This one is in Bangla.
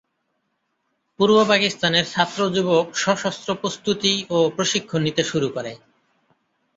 পূর্ব পাকিস্তানের ছাত্র-যুবক সশন্ত্র প্রস্ত্ততি ও প্রশিক্ষণ নিতে শুরু করে।